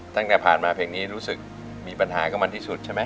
ตั้งแต่ผ่านมาเพลงนี้รู้สึกมีปัญหากับมันที่สุดใช่ไหม